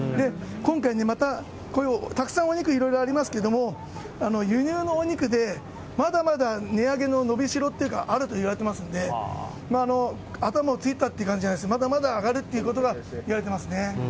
今回ね、また、たくさんお肉ありますけども、輸入のお肉でまだまだ値上げの伸びしろというか、あると言われてますんで、頭をついたって感じじゃないです、まだまだ上がるっていうことが言われてますね。